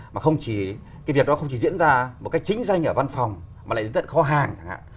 mà không chỉ cái việc đó không chỉ diễn ra một cách chính danh ở văn phòng mà lại đến tận kho hàng chẳng hạn